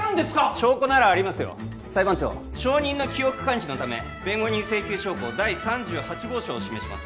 証拠ならありますよ裁判長証人の記憶喚起のため弁護人請求証拠第３８号証を示します